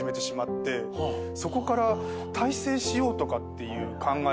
そこから大成しようとかっていう考えが一切。